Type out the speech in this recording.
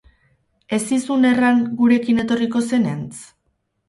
Ez zizun erran gurekin etorriko zenetz?